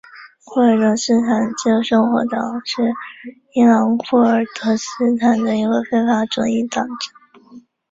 库尔德斯坦自由生活党是伊朗库尔德斯坦的一个非法的左翼政党。